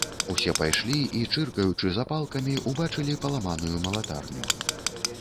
Усе пайшлі і, чыркаючы запалкамі, убачылі паламаную малатарню.